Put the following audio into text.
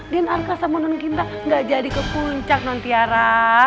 dan arka sama non kinta gak jadi ke puncak nantiara